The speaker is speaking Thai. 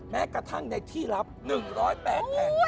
แม้กระทั่งในที่รับ๑๐๘แห่ง